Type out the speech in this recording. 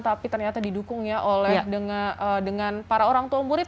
tapi ternyata didukung ya dengan para orang tua murid